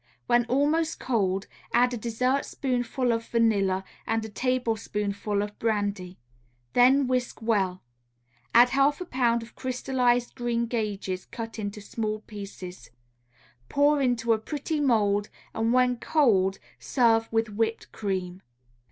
When almost cold, add a dessertspoonful of vanilla and a tablespoonful of brandy. Then whisk well; add half a pound of crystallized green gages cut into small pieces; pour into a pretty mould, and when cold serve with whipped cream.